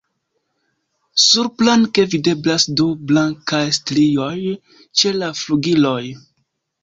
Surplanke videblas du blankaj strioj ĉe la flugiloj.